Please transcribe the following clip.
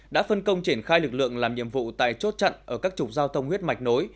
đã phân công triển khai lực lượng làm nhiệm vụ tại chốt chặn ở các trục giao thông huyết mạch nối